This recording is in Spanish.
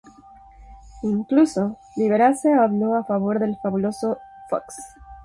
Incluso Liberace habló a favor del "Fabuloso Fox".